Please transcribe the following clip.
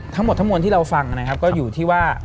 ทั้งหมดทั้งมวลที่เราฟังนะครับก็อยู่ที่ว่า